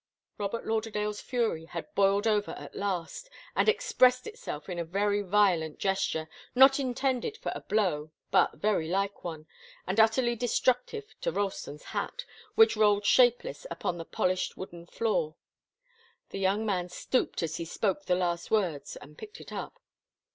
Robert Lauderdale's fury had boiled over at last and expressed itself in a very violent gesture, not intended for a blow, but very like one, and utterly destructive to Ralston's hat, which rolled shapeless upon the polished wooden floor. The young man stooped as he spoke the last words, and picked it up.